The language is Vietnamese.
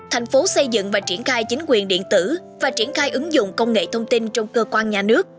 thành phố xây dựng và triển khai chính quyền điện tử và triển khai ứng dụng công nghệ thông tin trong cơ quan nhà nước